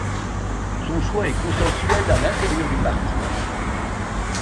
Son choix est consensuel à l'intérieur du parti.